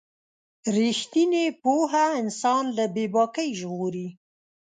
رښتینې پوهه انسان له بې باکۍ ژغوري.